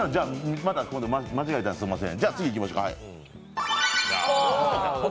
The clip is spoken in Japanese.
また、ここで間違えたらすみません。